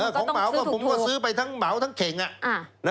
มันก็ต้องซื้อถูกนะครับผมก็ซื้อไปทั้งเหมาะทั้งเข็ง